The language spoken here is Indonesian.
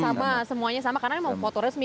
sama semuanya sama karena emang foto resmi